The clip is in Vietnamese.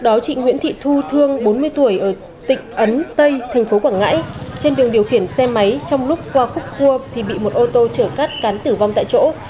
một người thương bốn mươi tuổi ở tịch ấn tây thành phố quảng ngãi trên đường điều khiển xe máy trong lúc qua khúc cua thì bị một ô tô chở cát cán tử vong tại chỗ